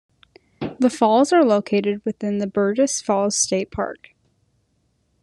The falls are located within the Burgess Falls State Park.